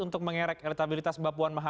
untuk mengerek elektabilitas mbak puan maharani